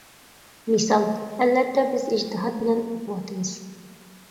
مىسال: ئەلۋەتتە، بىز ئىجتىھات بىلەن ئوقۇۋاتىمىز.